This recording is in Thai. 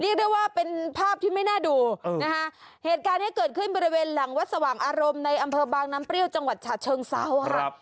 เรียกได้ว่าเป็นภาพที่ไม่น่าดูนะคะเหตุการณ์ที่เกิดขึ้นบริเวณหลังวัดสว่างอารมณ์ในอำเภอบางน้ำเปรี้ยวจังหวัดฉะเชิงเซาค่ะ